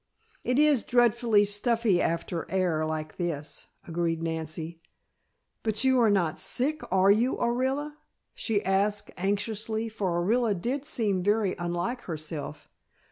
"It is dreadfully stuffy after air like this," agreed Nancy. "But you are not sick, are you, Orilla?" she asked anxiously, for Orilla did seem very unlike herself.